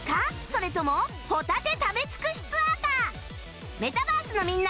それともホタテ食べ尽くしツアーか